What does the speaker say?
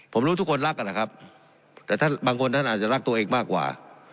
ผมรู้ทุกคนรักกันนะครับแต่ท่านบางคนท่านอาจจะรักตัวเองมากกว่า